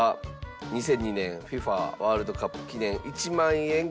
２００２年ＦＩＦＡワールドカップ記念１万円金貨。